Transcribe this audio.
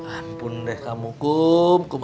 ampun deh kamu kum